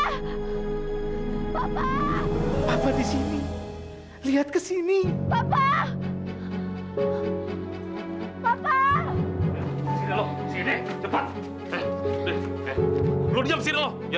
sampai jumpa di video selanjutnya